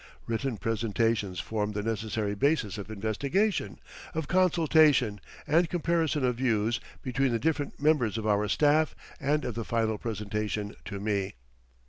Written presentations form the necessary basis of investigation, of consultation, and comparison of views between the different members of our staff, and of the final presentation to me.